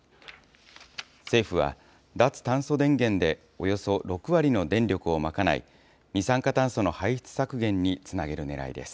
政府は、脱炭素電源でおよそ６割の電力を賄い、二酸化炭素の排出削減につなげるねらいです。